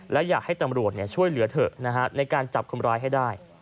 และอยากให้ตำรวจช่วยเหลือเถอะในการจับคนร้ายให้ได้